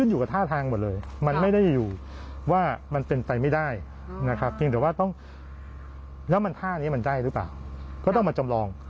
อย่างเดียวว่าต้องแล้วท่านี้มันได้หรือเปล่าก็ต้องมาจำลอง